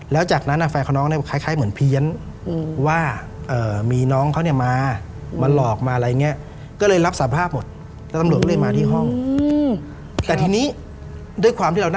แล้วจากนั้นแฟนของน้องเนี่ยคล้ายเหมือนเพี้ยน